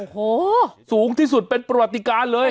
โอ้โหสูงที่สุดเป็นประวัติการเลย